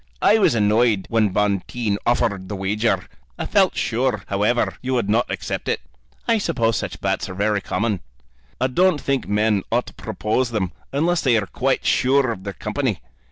"I was annoyed when Bonteen offered the wager. I felt sure, however, you would not accept it." "I suppose such bets are very common." "I don't think men ought to propose them unless they are quite sure of their company.